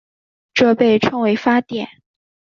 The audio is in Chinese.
这被称为发电。